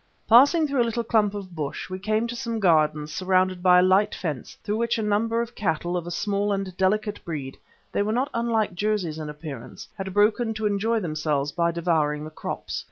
Passing through a little clump of bush we came to some gardens surrounded by a light fence through which a number of cattle of a small and delicate breed they were not unlike Jerseys in appearance had broken to enjoy themselves by devouring the crops.